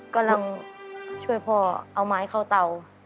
กำลังช่วยพ่อเอาไม้เข้าเตา